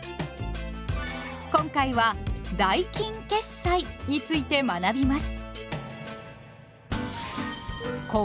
今回は「代金決済」について学びます。